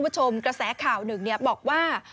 คุณผู้ชมกระแสข่าวหนึ่งบอกว่า